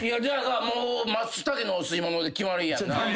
もう松茸のお吸いもので決まりやんな。